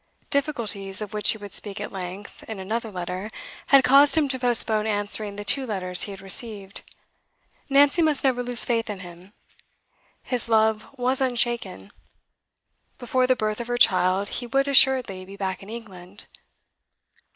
Difficulties of which he would speak at length in another letter had caused him to postpone answering the two letters he had received. Nancy must never lose faith in him; his love was unshaken; before the birth of her child he would assuredly be back in England.